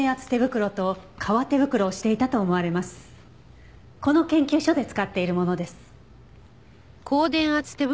この研究所で使っているものです。